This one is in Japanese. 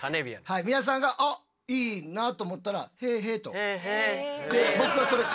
皆さんが「あっいいな」と思ったら「へぇへぇ」と。